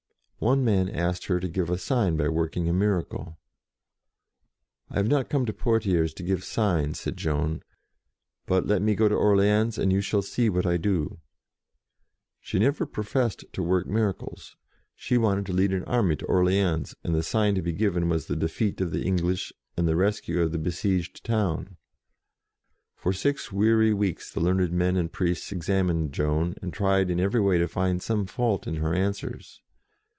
One man asked her to give a sign by work ing a miracle. "I have not come to Poitiers to give signs," said Joan; "but let me go to Orleans, and you shall see what I will do." She never professed to work miracles. She wanted to lead an army to Orleans, and the sign to be given was the defeat of the English, and the rescue of the besieged town. For six weary weeks the learned men and priests examined Joan, and tried in every way to find some fault in her answers.